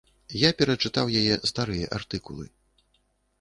Я перачытаў яе старыя артыкулы.